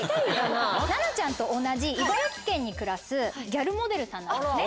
奈々ちゃんと同じ茨城県に暮らすギャルモデルさんなんですね。